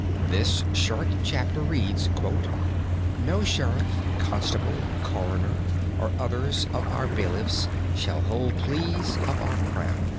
This short chapter reads: "No sheriff, constable, coroner, or others of our bailiffs shall hold pleas of our Crown."